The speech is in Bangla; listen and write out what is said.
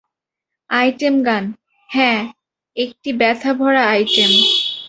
আইটেম গান, - হ্যাঁ, একটি ব্যাথা ভরা আইটেম।